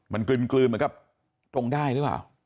มันกลืนกลืนมันก็ตรงได้หรือเปล่า